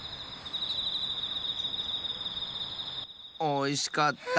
おいしかった！